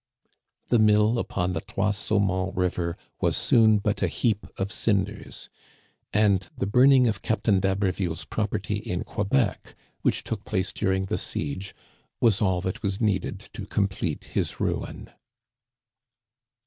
The mill upon the Trois Saumons River was soon but a heap of cinders, and the burning of Captain d'Haberville's property in Quebec, which took place during the seige, was all that was needed to complete his ruin.